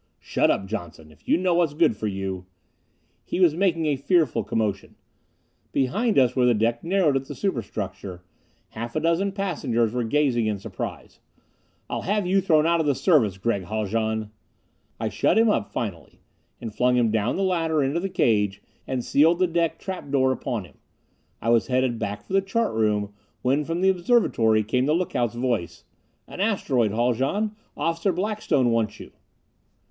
"Shut up, Johnson! If you know what's good for you " He was making a fearful commotion. Behind us, where the deck narrowed at the superstructure, half a dozen passengers were gazing in surprise. "I'll have you thrown out of the Service, Gregg Haljan!" I shut him up finally. And flung him down the ladder into the cage and sealed the deck trap door upon him. I was headed back for the chart room when from the observatory came the lookout's voice. "An asteroid, Haljan! Officer Blackstone wants you."